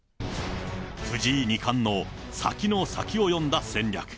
藤井二冠の先の先を読んだ戦略。